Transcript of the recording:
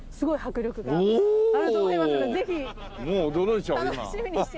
もう驚いちゃうよ